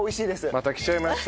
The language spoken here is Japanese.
また来ちゃいました。